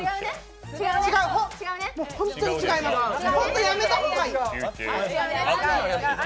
本当にやめたほうがいい！